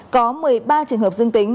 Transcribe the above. có một mươi ba trường hợp dương tính